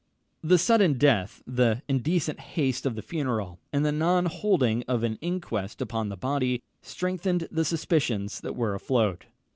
The sudden death, the indecent haste of the funeral, and the non holding of an inquest upon the body, strengthened the suspicions that were afloat.